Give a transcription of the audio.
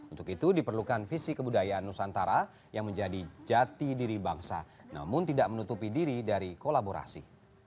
untuk itu diperlukan visi kebudayaan nusantara yang menjadi jati diri bangsa namun tidak menutupi diri dari kolaborasi